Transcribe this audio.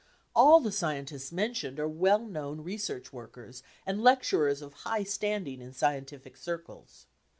All the scientists mentioned are well known research workers and lecturers of high standing in scientific circles.